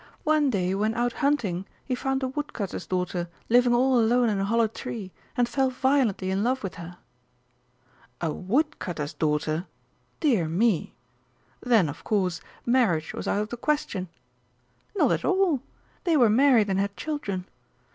One day when out hunting he found a woodcutter's daughter living all alone in a hollow tree, and fell violently in love with her." "A woodcutter's daughter? Dear me! Then, of course, marriage was out of the question." "Not at all! they were married and had children.